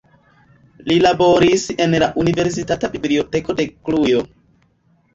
Li laboris en la Universitata Biblioteko de Kluĵo.